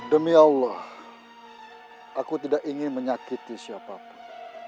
demi allah aku tidak ingin menyakiti siapa pun